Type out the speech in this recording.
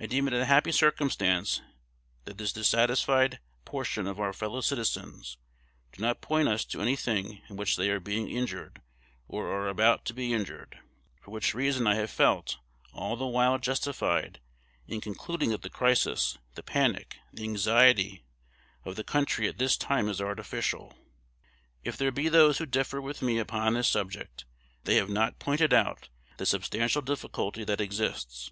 I deem it a happy circumstance that this dissatisfied portion of our fellow citizens do not point us to any thing in which they are being injured, or are about to be injured; _for which reason I have felt all the while justified in concluding that the crisis, the panic, the anxiety, of the country at this time is artificial._ If there be those who differ with me upon this subject, they have not pointed out the substantial difficulty that exists.